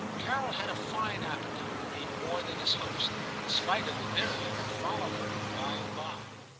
Carol had a fine appetite and ate more than his host, in spite of the dinner that would follow, for him, by and by.